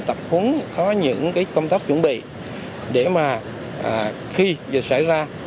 tập hướng có những công tác chuẩn bị để mà khi dịch xảy ra